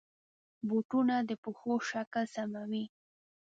بوټونه د پښو شکل سموي.